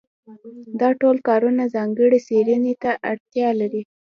دا ټول کارونه ځانګړې څېړنې ته اړتیا لري.